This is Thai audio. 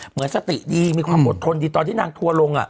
เหมือนสติดีมีความอดทนดีตอนที่นางทัวร์ลง